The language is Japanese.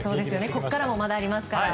ここからもまだありますから。